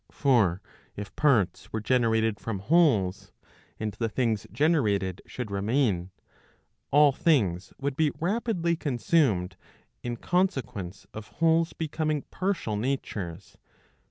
For if parts were generated from wholes, and the things generated should remain, all things would be rapidly consumed, in consequence of wholes becoming partial natures.